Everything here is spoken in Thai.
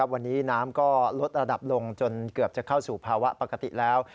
วันนี้น้ำก็ลดระดับลงจนเกือบจะเข้าสู่ภาวะปกติแล้ว